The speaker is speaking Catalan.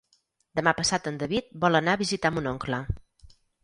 Demà passat en David vol anar a visitar mon oncle.